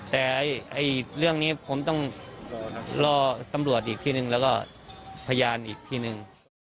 แต่เรื่องนี้ผมต้องรอตำรวจอีกทีนึงแล้วก็พยานอีกทีนึง